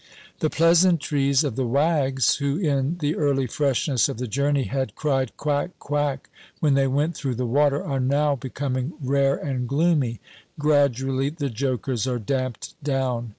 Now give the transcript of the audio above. The pleasantries of the wags, who in the early freshness of the journey had cried, "Quack, quack," when they went through the water, are now becoming rare and gloomy; gradually the jokers are damped down.